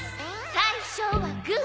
最初はグー！